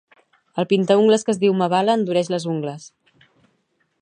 El pintaungles que es diu Mavala endureix les ungles